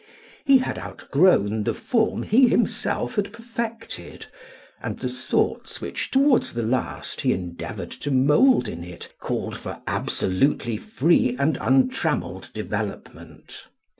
He had outgrown the form he himself had perfected, and the thoughts which toward the last he endeavored to mould in it called for absolutely free and untrammeled development.